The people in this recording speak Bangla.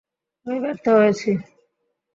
আমি ব্যর্থ হয়েছি।